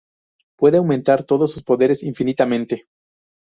Puede aumentar todos sus poderes infinitamente.